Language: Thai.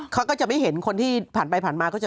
เขาก็จะไม่เห็นคนที่ผ่านไปผ่านมาเขาจะ